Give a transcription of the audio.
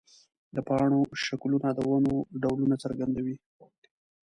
د پاڼو شکلونه د ونو ډولونه څرګندوي.